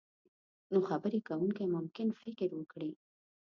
نو خبرې کوونکی ممکن فکر وکړي.